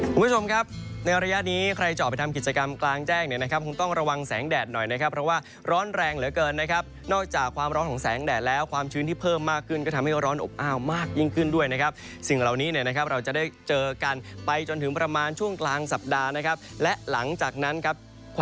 คุณผู้ชมครับในระยะนี้ใครจะออกไปทำกิจกรรมกลางแจ้งเนี่ยนะครับคงต้องระวังแสงแดดหน่อยนะครับเพราะว่าร้อนแรงเหลือเกินนะครับนอกจากความร้อนของแสงแดดแล้วความชื้นที่เพิ่มมากขึ้นก็ทำให้ร้อนอบอ้าวมากยิ่งขึ้นด้วยนะครับสิ่งเหล่านี้เนี่ยนะครับเราจะได้เจอกันไปจนถึงประมาณช่วงกลางสัปดาห์นะครับและหลังจากนั้นครับ